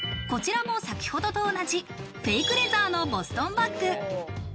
こちらも先ほどと同じ、フェイクレザーのボストンバッグ。